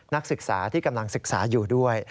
นักศึกษาที่กำลังศึกษาอยู่ด้วย